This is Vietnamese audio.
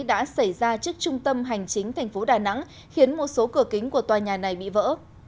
đã xảy ra trước trung tâm hành chính thành phố đà nẵng khiến một số cửa kính của tòa nhà này bị vỡ